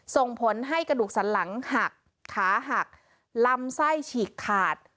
ส่งผลให้กระดูกสันหลังหักขาหักลำไส้ฉีกขาด